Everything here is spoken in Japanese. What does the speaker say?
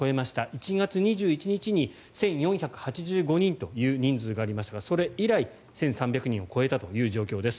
１月２１日に１４８５人という人数がありましたからそれ以来、１３００人を超えたという状況です。